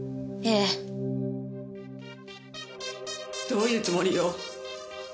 どういうつもりよ。